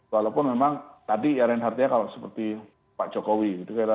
walaupun memang tadi ya lain lain kalau seperti pak jokowi gitu ya